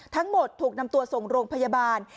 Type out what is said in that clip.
ทั้งหมดถูกนำตัวส่งโรงพยาบาล